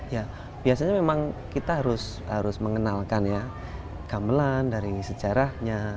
ya biasanya memang kita harus mengenalkan ya gamelan dari sejarahnya